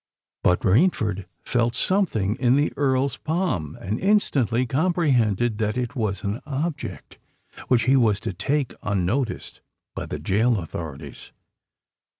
But Rainford felt something in the Earl's palm, and instantly comprehended that it was an object which he was to take unnoticed by the gaol authorities.